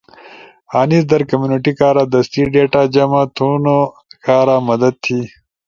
انیس در کمیونٹی کارا دستی ڈیٹا جمع تھونو کارا مدد تھی،